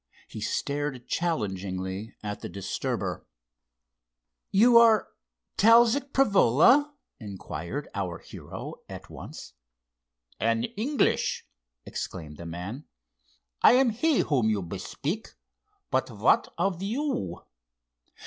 He stared challengingly at the disturber. "You are Talzk Prevola?" inquired our hero, at once. "An English!" exclaimed the man. "I am he whom you bespeak. But what of you?"